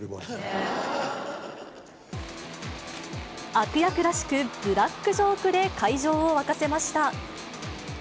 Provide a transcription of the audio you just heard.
悪役らしく、ブラックジョークで会場を沸かせました。